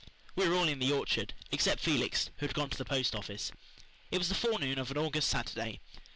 We were all in the orchard, except Felix, who had gone to the post office. It was the forenoon of an August Saturday.